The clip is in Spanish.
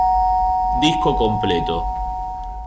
Disco completo.